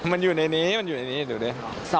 มันอยู่ในนี้มันอยู่ในนี้ดูดิ